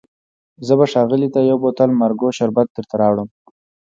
زه به ښاغلي ته یو بوتل مارګو شربت درته راوړم.